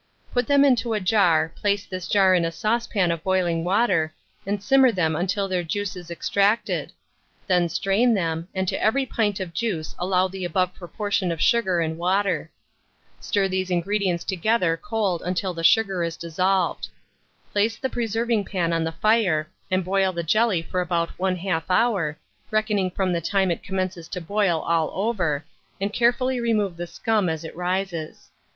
Put them into a jar, place this jar in a saucepan of boiling water, and simmer them until their juice is extracted; then strain them, and to every pint of juice allow the above proportion of sugar and water; stir these ingredients together cold until the sugar is dissolved; place the preserving pan on the fire, and boil the jelly for about 1/2 hour, reckoning from the time it commences to boil all over, and carefully remove the scum as it rises.